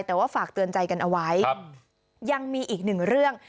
แต่ว่าฝากเตือนใจกันเอาไว้ยังมีอีกหนึ่งเรื่อง